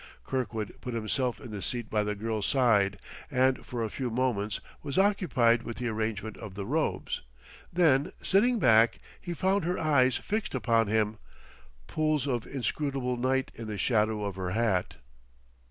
Kirkwood put himself in the seat by the girl's side and for a few moments was occupied with the arrangement of the robes. Then, sitting back, he found her eyes fixed upon him, pools of inscrutable night in the shadow of her hat.